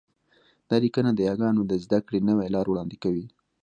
دا لیکنه د یاګانو د زده کړې نوې لار وړاندې کوي